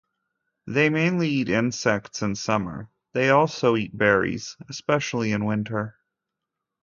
They mainly eat insects in summer; they also eat berries, especially in winter.